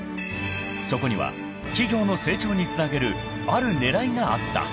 ［そこには企業の成長につなげるある狙いがあった］